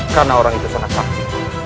karena orang itu senang saksi